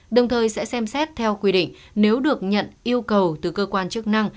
đồng thời sẽ xem xét theo quy định nếu được nhận yêu cầu từ cơ quan chức năng